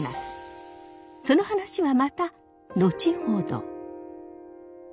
その話はまた後ほど。